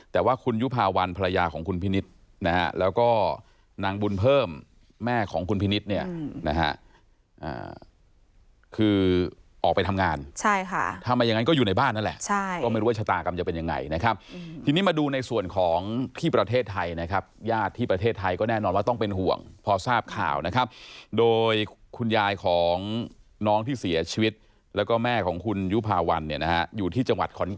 แต่ว่าคุณยุภาวัลภรรยาของคุณพินิจแล้วก็นางบุญเพิ่มแม่ของคุณพินิจ